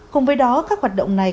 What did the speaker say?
cùng với đó các hoạt động này